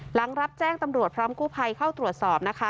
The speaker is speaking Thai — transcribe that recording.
หลังรับแจ้งตำรวจพร้อมกู้ภัยเข้าตรวจสอบนะคะ